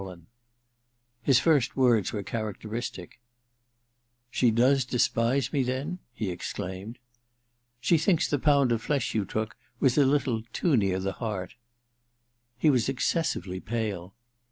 I 278 THE DILETTANTE His first words were characteristic :* She Jaes despise me, then ?' he exclaimed. She thinks the pound of flesh you took was a little too near the heart/ He was excessively pale.